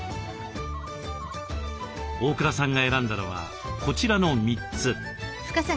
大倉さんが選んだのはこちらの３つ。